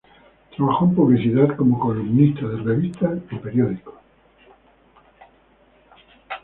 Trabajó en publicidad y como columnista de revistas y periódicos.